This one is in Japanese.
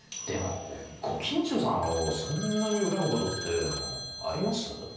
でもご近所さんをそんなに恨むことってあります？